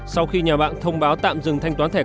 sau khi nhà bạn thông báo tạm dựng